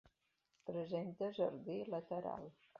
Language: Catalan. Presenta jardí lateral.